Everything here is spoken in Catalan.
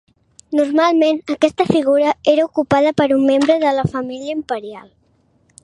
Normalment aquesta figura era ocupada per un membre de la família imperial.